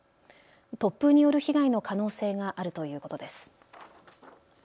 突風による被害の可能性があるということです。